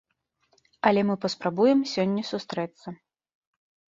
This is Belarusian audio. Але мы паспрабуем сёння сустрэцца.